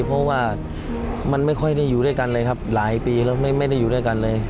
เพราะว่ามันไม่ค่อยได้อยู่ด้วยกันเลยครับหลายปีแล้วไม่ได้อยู่ด้วยกันเลย